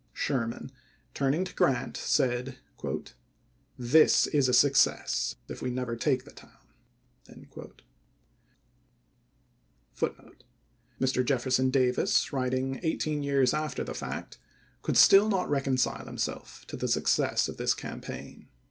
Sherman, turning to Grant, said :" This is a success, if we never take the town."1 Ulr. Jefferson Davis, writing eighteen years after the fact, could still not reconcile himself to the success of this campaign.